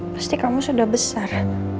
pasti kamu sudah besar